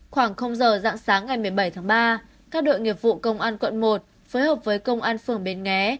khoảng giờ dạng sáng ngày một mươi bảy tháng ba các đội nghiệp vụ công an quận một phối hợp với công an phường bến nghé